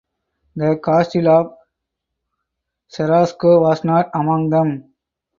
The castle of Cherasco was not among them.